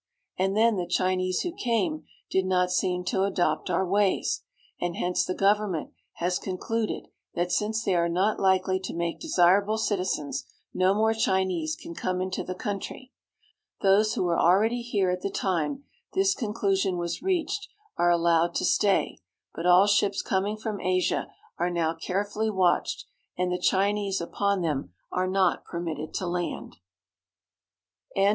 And then, the Chinese who came did not seem to adopt our ways ; and hence the government has con cluded that, since they are not likely to make desirable citizens, no more Chinese can come into the country. Those who were already here at the time this conclusion was reached are allowed to stay ; but all ships coming from Asia are now carefully watched, and the Chinese upon them are not permitted to land.